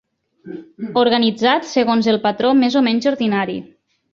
Organitzat segons el patró més o menys ordinari